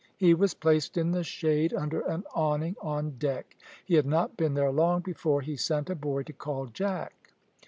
He was placed in the shade under an awning on deck. He had not been there long before he sent a boy to call Jack.